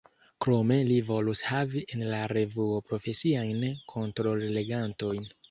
Krome li volus havi en la revuo profesiajn kontrollegantojn.